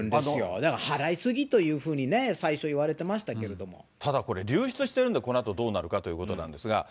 だから払い過ぎというふうに、ただ、これ、流出してるんで、この後どうなるかということなんですが。